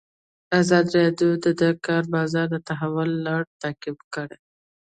ازادي راډیو د د کار بازار د تحول لړۍ تعقیب کړې.